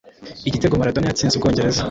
Igitego Maradona yatsinze u Bwongereza